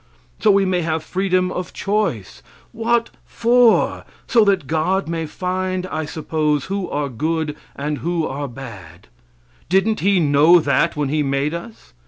So we may have freedom of choice. What for? So that God may find, I suppose, who are good and who are bad. Didn't He know that when He made us?